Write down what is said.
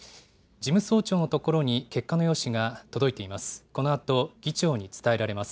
事務総長の所に結果の用紙が届いています。